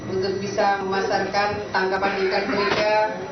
untuk bisa memasarkan tangkapan ikan mereka